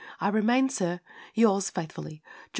I remain, Sir, Yours faithfully, GEO.